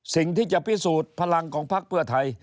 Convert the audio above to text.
สิ่งที่จะพิสูจน์พลังของพักเพื่อไทย